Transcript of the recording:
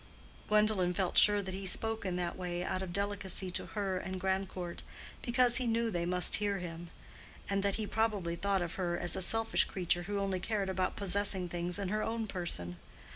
Gwendolen felt sure that he spoke in that way out of delicacy to her and Grandcourt—because he knew they must hear him; and that he probably thought of her as a selfish creature who only cared about possessing things in her own person.